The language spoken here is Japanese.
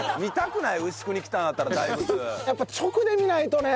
やっぱ直で見ないとね。